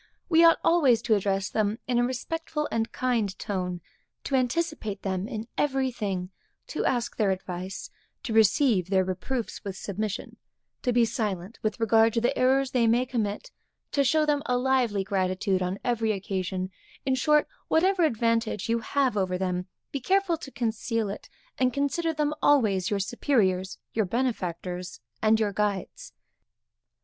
We ought always to address them in a respectful and kind tone; to anticipate them in every thing; to ask their advice; to receive their reproofs with submission; to be silent with regard to the errors they may commit; to show them a lively gratitude on every occasion; in short, whatever advantage you have over them, be careful to conceal it, and consider them always your superiors, your benefactors and your guides.